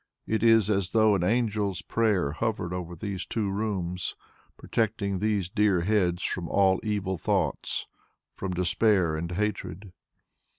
It is as though an angel's prayer hovered over these two rooms, protecting these dear heads from all evil thoughts, from despair and hatred.